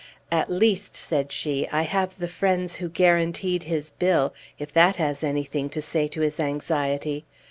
"At least," said she, "I have the friends who guaranteed his bill, if that has anything to say to his anxiety!